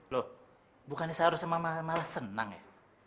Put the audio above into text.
loh bukannya sama mama malah senang ya